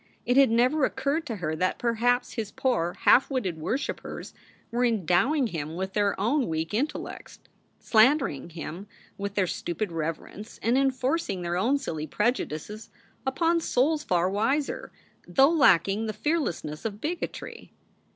It had never occurred to her that perhaps his poor, half witted worshipers were endowing him with their own weak intel lects, slandering him with their stupid reverence, and enforc ing their own silly prejudices upon souls far wiser, though lacking the fearlessness of bigotry.